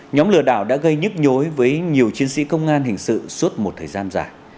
nhóm lừa đảo đã gây nhức nhối với nhiều chiến sĩ công an hình sự suốt một thời gian dài